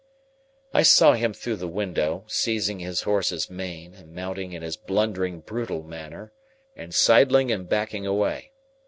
I saw him through the window, seizing his horse's mane, and mounting in his blundering brutal manner, and sidling and backing away.